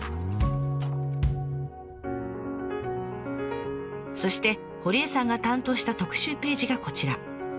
そして堀江さんが担当した特集ページがこちら。